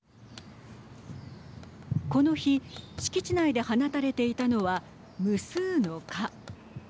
この日敷地内で放たれていたのは無数の蚊。